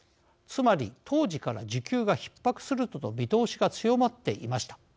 つまり、当時から需給がひっ迫するとの見通しが強まっていました。